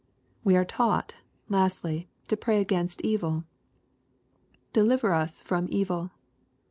We are taught, lastly, to pray against evil : "Deliver us from evil."